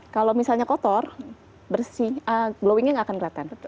kalau misalnya kotor bersih glowingnya nggak akan kelihatan